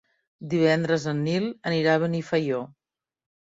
Divendres en Nil anirà a Benifaió.